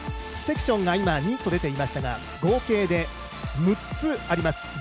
セクションが２と出ていましたが合計で６つあります。